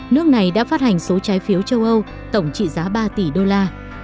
nước này đã phát hành số trái phiếu châu âu tổng trị giá ba tỷ đô la